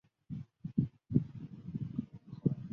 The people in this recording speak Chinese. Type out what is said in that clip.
巴比亦是首位登上时代杂志封面的印度演员。